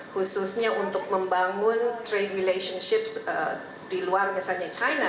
khususnya untuk membangun trade relationship di luar misalnya china